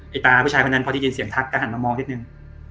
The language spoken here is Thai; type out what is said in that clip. ตาผู้ชายคนนั้นพอได้ยินเสียงทักก็หันมามองนิดนึง